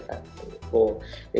sekarang di luar